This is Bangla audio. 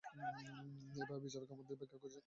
এভাবেই বিচারক আমাকে ব্যাখ্যা করেছেন।